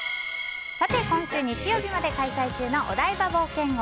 今週日曜日まで開催中のお台場冒険王。